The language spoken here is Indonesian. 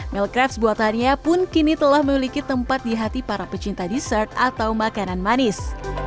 mealcrafts buatannya pun kini telah memiliki tempat di hati para pecinta dessert atau makanan manis